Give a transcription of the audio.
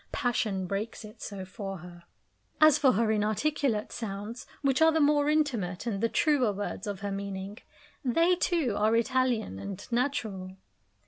Passion breaks it so for her. As for her inarticulate sounds, which are the more intimate and the truer words of her meaning, they, too, are Italian and natural.